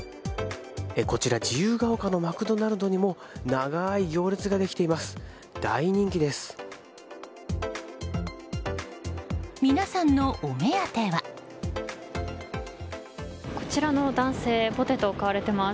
自由が丘のマクドナルドにも長い行列ができています。